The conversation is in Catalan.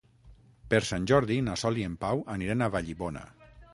Per Sant Jordi na Sol i en Pau aniran a Vallibona.